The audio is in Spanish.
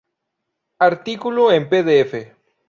Artículo en pdf